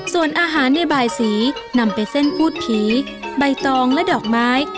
ส่วนอาหารในบายสีนำไปเส้นพูดผีใบตองและดอกไม้